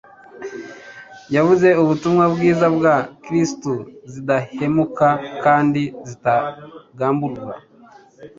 yavuze ubutumwa bwiza bwa Kristo zidahemuka kandi zitagamburura.